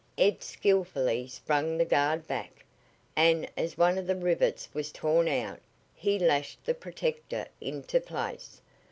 Ed skillfully sprung the guard back, and as one of the rivets was torn out, he lashed the protector into place.